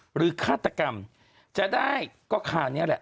หรือฆาตกรรมจะได้ก็ค่านี้แหละ